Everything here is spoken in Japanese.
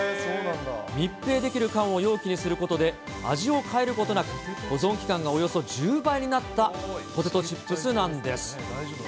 密閉できる缶を容器にすることで味を変えることなく、保存期間がおよそ１０倍になったポテトチップスなんです。